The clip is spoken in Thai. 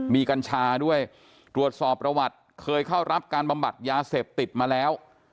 มีกัญชาด้วยตรวจสอบประวัติเคยเข้ารับการบำบัดยาเสพติดมาแล้ว